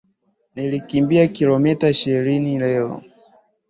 Nilikimbia kilomita ishirini leo.